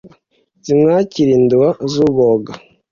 Zimwakire induba z'urwoga.